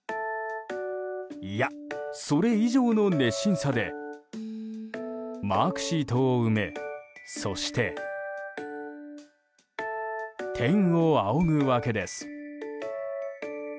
いや、それ以上の熱心さでマークシートを埋め、そして天を仰ぐわけです。